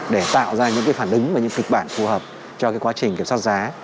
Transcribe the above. để tạo ra những cái phản đứng và những kịch bản phù hợp cho cái quá trình kiểm soát giá